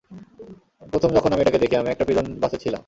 প্রথম যখন আমি এটাকে দেখি, আমি একটা প্রিজন বাসে ছিলাম।